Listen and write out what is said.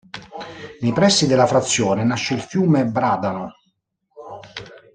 Nei pressi della frazione, nasce il fiume Bradano.